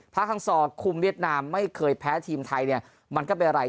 ฮังซอร์คุมเวียดนามไม่เคยแพ้ทีมไทยเนี่ยมันก็เป็นอะไร